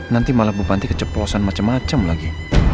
nanti malah bu panti keceplosan macem macem lagi